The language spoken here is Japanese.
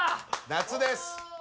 夏です。